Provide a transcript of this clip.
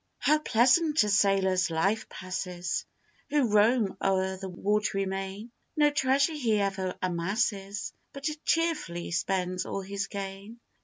] HOW pleasant a sailor's life passes, Who roams o'er the watery main! No treasure he ever amasses, But cheerfully spends all his gain.